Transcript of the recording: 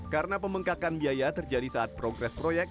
karena pembengkakan biaya terjadi saat progres proyek